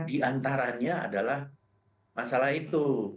diantaranya adalah masalah itu